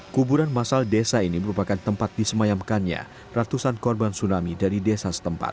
kuburan masal desa ini merupakan tempat disemayamkannya ratusan korban tsunami dari desa setempat